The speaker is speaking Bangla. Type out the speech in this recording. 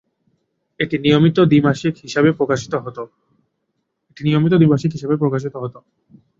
এটি নিয়মিত দ্বি মাসিক হিসেবে প্রকাশিত হত।